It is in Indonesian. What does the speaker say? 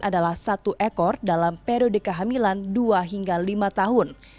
adalah satu ekor dalam periode kehamilan dua hingga lima tahun